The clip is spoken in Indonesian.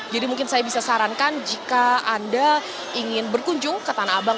jadi mungkin saya bisa sarankan jika anda ingin berkunjung ke tanah abang